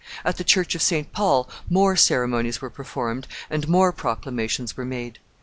At the Church of St. Paul more ceremonies were performed and more proclamations were made.